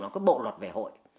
một bộ luật về hội